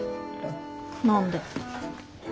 何で？